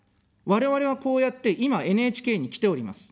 我々はこうやって、今、ＮＨＫに来ております。